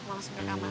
langsung ke kamar